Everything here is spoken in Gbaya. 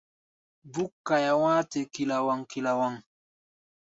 Búk kaia wá̧á̧-te kilawaŋ-kilawaŋ.